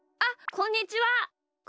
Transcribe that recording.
こんにちは。